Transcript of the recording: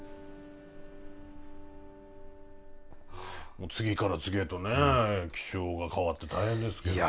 もう次から次へとね気象が変わって大変ですけどね。